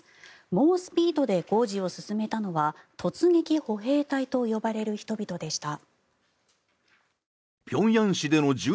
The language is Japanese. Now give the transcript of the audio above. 猛スピードで工事を進めたのは突撃歩兵隊と呼ばれる人々でした。